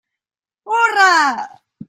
Hurra!